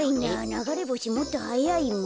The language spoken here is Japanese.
ながれぼしもっとはやいもん。